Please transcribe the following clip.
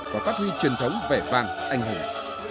và phát huy truyền thống vẻ vàng anh hùng